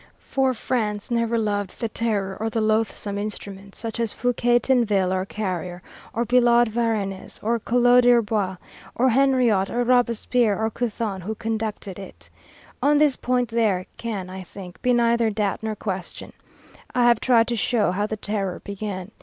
For France never loved the Terror or the loathsome instruments, such as Fouquier Tinville, or Carrier, or Billaud Varennes, or Collot d'Herbois, or Henriot, or Robespierre, or Couthon, who conducted it. On this point there can, I think, be neither doubt nor question. I have tried to show how the Terror began.